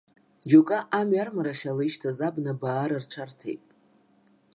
Џьоукгьы амҩа армарахь ала ишьҭаз абна баара рҽарҭеит.